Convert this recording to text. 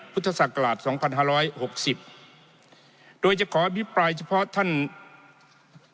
ปุถสกราชสองพันสาร้อยหกสิบโดยจะขออภิปรายเฉพาะท่านบทเอก